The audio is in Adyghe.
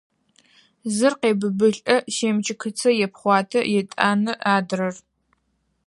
Зыр къебыбылӏэ, семчыкыцэ епхъуатэ, етӏанэ – адрэр…